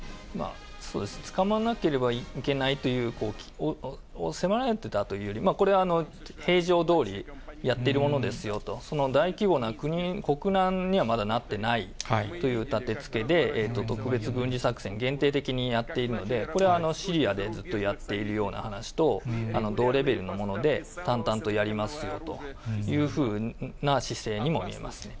つかまなければいけないという、迫られてたというより、これは平常どおりやっているものですよと、大規模な国難にはまだなってないという立て付けで、特別軍事作戦、限定的にやっているので、これはシリアでずっとやっているような話と同レベルのもので、淡々とやりますよというふうな姿勢にも見えますね。